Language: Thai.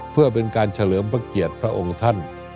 เพื่อเป็นการเฉลิมพระเกียรติพระองค์ท่าน